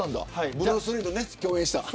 ブルース・リーと共演した。